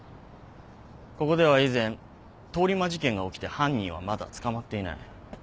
ここでは以前通り魔事件が起きて犯人はまだ捕まっていない。